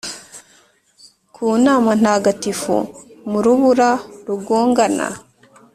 ku nama ntagatifu, mu rubura rugongana